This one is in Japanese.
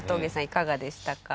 いかがでしたか？